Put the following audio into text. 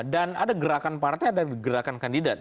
dan ada gerakan partai dan gerakan kandidat